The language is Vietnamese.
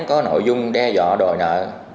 có nội dung đe dọa đòi nợ